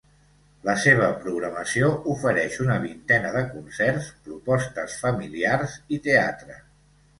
La seva programació ofereix una vintena de concerts, propostes familiars i teatre.